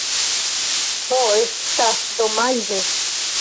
Ho! Estas domaĝe!